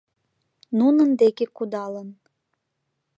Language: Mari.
Нунын деке кудалын!